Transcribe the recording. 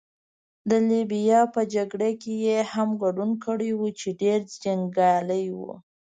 د لیبیا په جګړه کې يې هم ګډون کړی وو، چې ډېر جنګیالی وو.